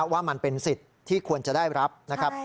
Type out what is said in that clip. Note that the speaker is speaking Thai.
ว่ามันเป็นสิทธิ์ที่ควรจะได้รับนะครับ